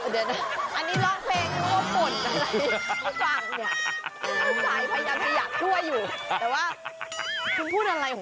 เดี๋ยวนะอันนี้ร้องเพลงยังไม่รู้ว่าป่นอะไรคุณฟังเนี้ย